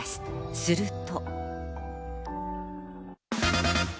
すると。